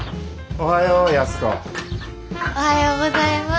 おはようございます。